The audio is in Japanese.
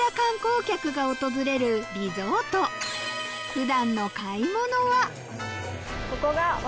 普段の買い物は？